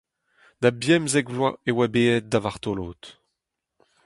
Da bemzek vloaz e oa bet aet da vartolod !